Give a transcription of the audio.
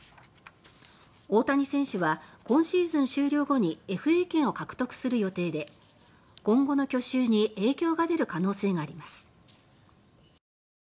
大谷選手は今シーズン終了後にＦＡ権を獲得する予定で今後の去就に影響が出る可能性があります。